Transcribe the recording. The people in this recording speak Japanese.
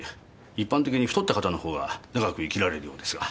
一般的に太った方のほうが長く生きられるようですが。